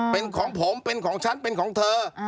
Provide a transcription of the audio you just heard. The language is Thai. เป็นของผมเป็นของฉันเป็นของเธอ